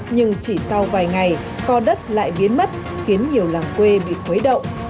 nhưng chỉ sau vài ngày co đất lại biến mất khiến nhiều làng quê bị khuấy đậu